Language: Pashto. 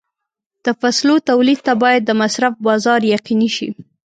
د فصلو تولید ته باید د مصرف بازار یقیني شي.